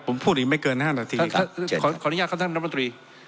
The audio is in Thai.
ผมพูดอีกไม่เกินห้านาทีครับขออนุญาตของท่านน้ำบันตรี